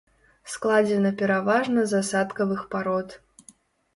Складзена пераважна з асадкавых парод.